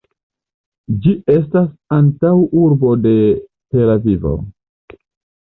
Ĝi estas antaŭurbo de Tel-Avivo.